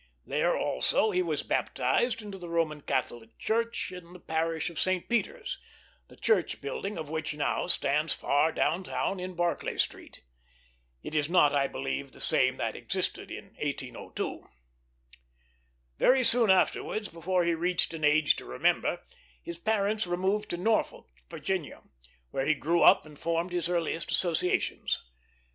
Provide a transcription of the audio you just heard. There also he was baptized into the Roman Catholic Church, in the parish of St. Peter's, the church building of which now stands far down town, in Barclay Street. It is not, I believe, the same that existed in 1802. Very soon afterwards, before he reached an age to remember, his parents removed to Norfolk, Virginia, where he grew up and formed his earliest associations.